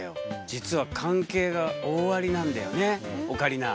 実は関係が大ありなんだよねオカリナ。